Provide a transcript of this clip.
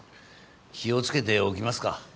気を付けておきますか。